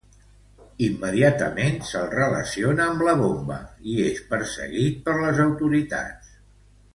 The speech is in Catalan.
Immediatament se'l relaciona amb la bomba i és perseguit per les autoritats.